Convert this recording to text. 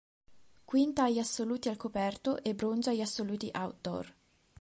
Quinta agli assoluti al coperto e bronzo agli assoluti outdoor.